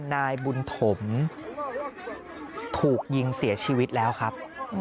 นายบุญถมถูกยิงเสียชีวิตแล้วครับ